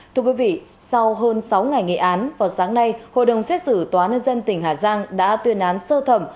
thưa quý vị sau hơn sáu ngày nghị án vào sáng nay hội đồng xét xử tòa nhân dân tỉnh hà giang đã tuyên án sơ thẩm